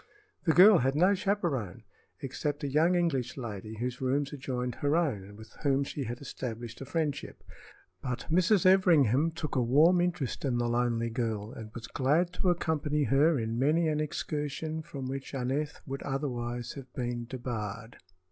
The girl had no chaperone except a young English lady whose rooms adjoined her own and with whom she had established a friendship; but Mrs. Everingham took a warm interest in the lonely girl and was glad to accompany her in many an excursion from which Aneth would otherwise have been debarred.